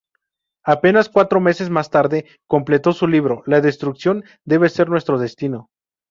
Apenas cuatro meses más tarde, completó su libro "¿la destrucción debe ser nuestro destino?